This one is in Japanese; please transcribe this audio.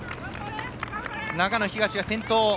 長野東が先頭。